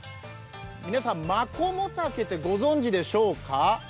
皆さんマコモタケってご存じでしょうか？